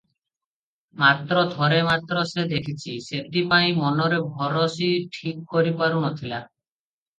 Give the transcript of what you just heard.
ମାତ୍ର ଥରେ ମାତ୍ର ସେ ଦେଖିଚି, ସେଥିପାଇଁ ମନରେ ଭରସି ଠିକ୍ କରି ପାରୁ ନ ଥିଲା ।